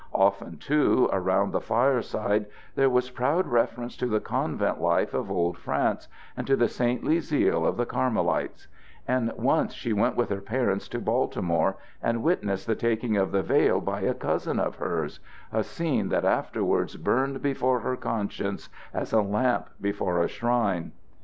Often, too, around the fireside there was proud reference to the convent life of old France and to the saintly zeal of the Carmelites; and once she went with her parents to Baltimore and witnessed the taking of the veil by a cousin of hers a scene that afterwards burned before her conscience as a lamp before a shrine.